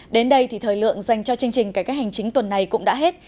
đến đây thì thời lượng dành cho chương trình cải cách hành chính tuần này cũng đã hết